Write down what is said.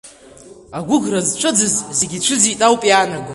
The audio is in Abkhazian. Агәыӷра зцәыӡыз зегьы ицәыӡит ауп иаанаго.